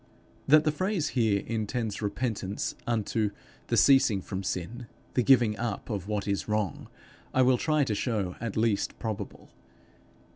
That the phrase here intends repentance unto the ceasing from sin, the giving up of what is wrong, I will try to show at least probable.